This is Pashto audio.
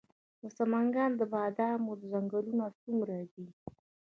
د سمنګان د بادامو ځنګلونه څومره دي؟